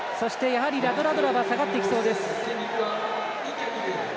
ラドラドラは下がってきそうです。